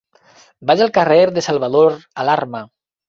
Vaig al carrer de Salvador Alarma.